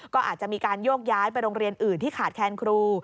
ก็อาจจะมีการโยกย้ายไปโรงเรียนอื่นที่ขาดแคลนครู